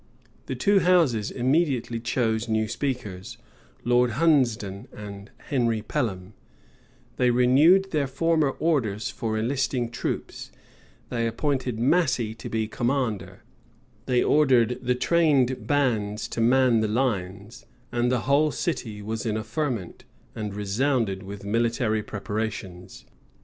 The two houses immediately chose new speakers, Lord Hunsdon and Henry Pelham: they renewed their former orders for enlisting troops: they appointed Massey to be commander: they ordered the trained bands to man the lines: and the whole city was in a ferment, and resounded with military preparations.